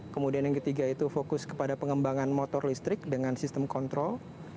kemudian yang ketiga itu fokus kepada pengembangan motor listrik dengan sistem kontrol